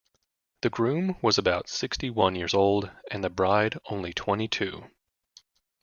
The groom was about sixty-one years old and the bride only twenty-two.